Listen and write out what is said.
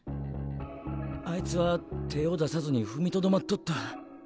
あいつは手ぇを出さずに踏みとどまっとった。